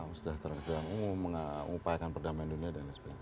usaha setara setara umum mengupayakan perdamaian dunia dan lain sebagainya